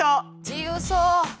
自由そう。